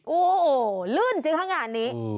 โอ้โหลื่นจริงข้างหน้านี้